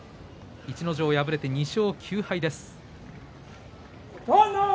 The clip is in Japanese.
逸ノ城は敗れて２勝９敗です。